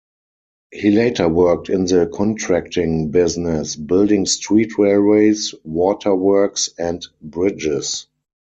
He later worked in the contracting business, building street railways, water works, and bridges.